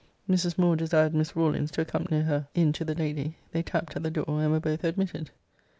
Mrs. Moore desired Miss Rawlins to accompany her in to the lady. They tapped at the door, and were both admitted.